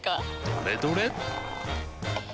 どれどれっ！